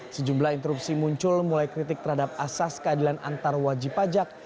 sejumlah interupsi muncul mulai kritik terhadap asas keadilan antar wajib pajak